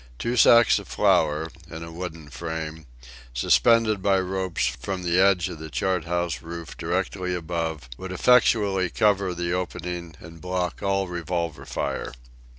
Two sacks of flour, in a wooden frame, suspended by ropes from the edge of the chart house roof directly above, would effectually cover the opening and block all revolver fire.